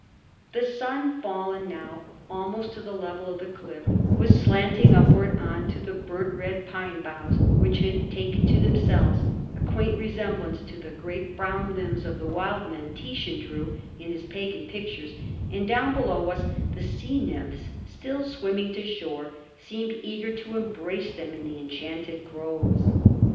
The sun, fallen now almost to the level of the cliff, was slanting upward on to the burnt red pine boughs, which had taken to themselves a quaint resemblance to the great brown limbs of the wild men Titian drew in his pagan pictures, and down below us the sea nymphs, still swimming to shore, seemed eager to embrace them in the enchanted groves.